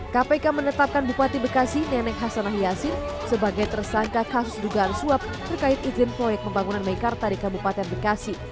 kpk menetapkan bupati bekasi neneng hasanah yasin sebagai tersangka kasus dugaan suap terkait izin proyek pembangunan meikarta di kabupaten bekasi